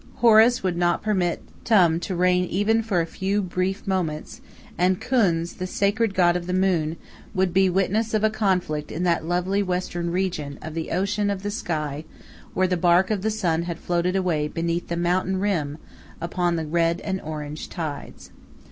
Horus would not permit Tum to reign even for a few brief moments, and Khuns, the sacred god of the moon, would be witness of a conflict in that lovely western region of the ocean of the sky where the bark of the sun had floated away beneath the mountain rim upon the red and orange tides.